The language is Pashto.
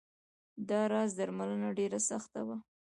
دا راز درملنه ډېره سخته وه.